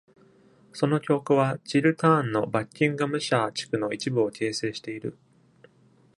その教区はチルターンのバッキンガムシャー地区の一部を形成している。